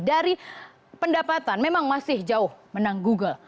dari pendapatan memang masih jauh menang google